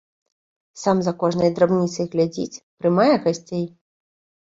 Сам за кожнай драбніцай глядзіць, прымае гасцей.